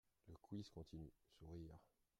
Le quiz continue (Sourires).